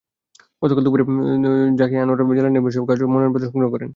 গতকাল বুধবার দুপুরে জাকিয়া আনোয়ার জেলা নির্বাচন কার্যালয় থেকে মনোনয়নপত্র সংগ্রহ করেন।